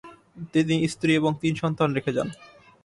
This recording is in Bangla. তিনি স্ত্রী এবং তিন সন্তান রেখে যান।